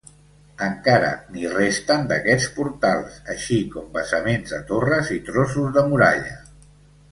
Encara n'hi resten d'aquests portals, així com basaments de torres i trossos de muralla.